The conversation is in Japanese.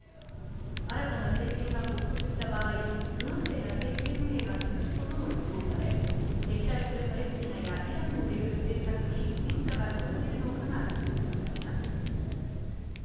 新たな政権が発足した場合、不安定な政権運営が続くことも予想され、敵対するパレスチナやイランをめぐる政策に変化が生じるのかが注目されます。